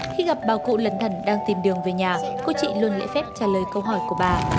khi gặp bà cụ lần đang tìm đường về nhà cô chị luôn lễ phép trả lời câu hỏi của bà